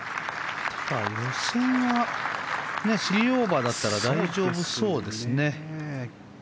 予選は３オーバーだったら大丈夫そうですね。